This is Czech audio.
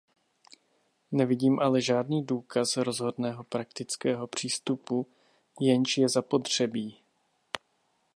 Nevidím ale žádný důkaz rozhodného, praktického přístupu, jenž je zapotřebí.